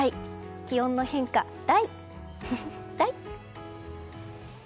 気温の変化、大！